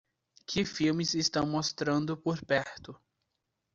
Que filmes estão mostrando por perto